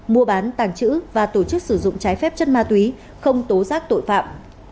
mua bán tàng trữ và tổ chức sử dụng trái phép chất ma túy không tố giác tội phạm